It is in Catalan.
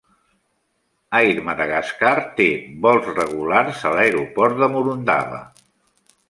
Air Madagascar té vols regulars a l'aeroport de Morondava.